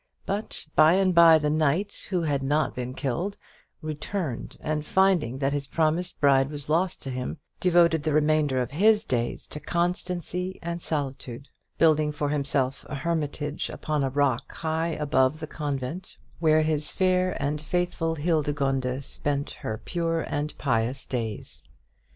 But by and by the knight, who had not been killed, returned, and finding that his promised bride was lost to him, devoted the remainder of his days to constancy and solitude; building for himself a hermitage upon a rock high above the convent where his fair and faithful Hildegonde spent her pure and pious days.